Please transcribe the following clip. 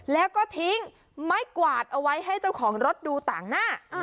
แล้วก็ทิ้งไม้กวาดเอาไว้ให้เจ้าของรถดูต่างหน้า